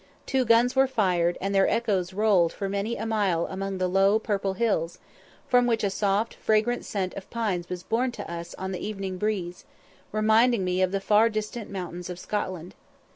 Two guns were fired, and their echoes rolled for many a mile among the low, purple hills, from which a soft, fragrant scent of pines was borne to us on the evening breeze, reminding me of the far distant mountains of Scotland.